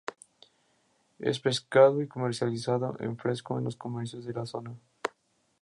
Es pescado y comercializado en fresco en los mercados de la zona.